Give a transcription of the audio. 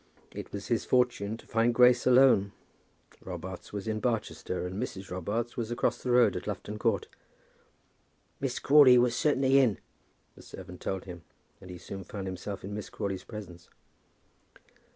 It was his fortune to find Grace alone. Robarts was in Barchester, and Mrs. Robarts was across the road, at Lufton Court. "Miss Crawley was certainly in," the servant told him, and he soon found himself in Miss Crawley's presence.